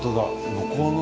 向こうの。